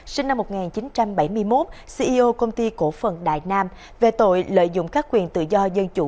sinh năm một nghìn chín trăm bảy mươi một ceo công ty cổ phần đại nam về tội lợi dụng các quyền tự do dân chủ